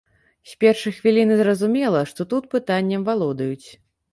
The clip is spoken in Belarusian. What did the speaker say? З першай хвіліны зразумела, што тут пытаннем валодаюць.